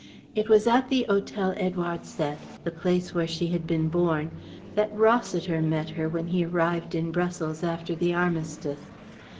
It was at the Hotel Édouard Sept, the place where she had been born, that Rossiter met her when he arrived in Brussels after the Armistice.